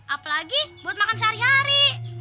apalagi buat makan sehari hari